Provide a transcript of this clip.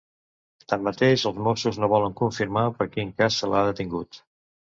Tanmateix, els mossos no volen confirmar per quin cas se l’ha detingut.